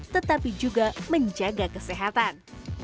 tetapi juga menjaga kesehatan